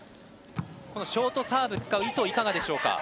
ショートサーブを使う意図はいかがでしょうか。